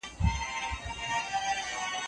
فارابي وايي هوا او اوبه خوی بدلوي.